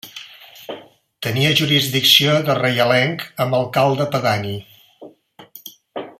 Tenia jurisdicció de reialenc amb alcalde pedani.